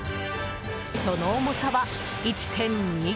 その重さは１．２ｋｇに。